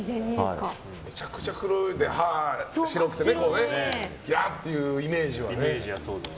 めちゃくちゃ黒くて歯が白くてギラっていうイメージがね。